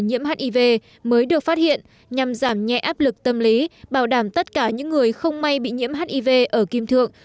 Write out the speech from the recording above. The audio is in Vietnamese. nhiễm hiv mới được phát hiện nhằm giảm nhẹ áp lực tâm lý bảo đảm tất cả những người không may bị nhiễm hiv ở kim thượng